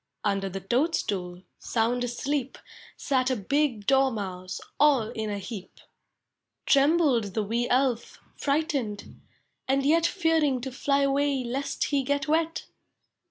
Under the toadstool, Sound asleep. Sat a big Dormouse All in a heap. Trembled the wee Elf, Frightened, and yet Fearing to fly away Lest he get wet.